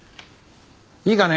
いいかね？